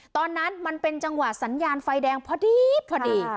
ตอนนั้นมันเป็นจังหวะสัญญาณไฟแดงพอดีพอดี